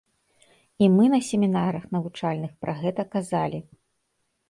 І мы на семінарах навучальных пра гэта казалі.